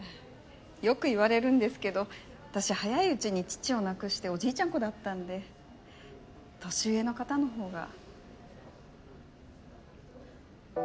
よく言われるんですけど私早いうちに父を亡くしておじいちゃん子だったんで年上の方の方が。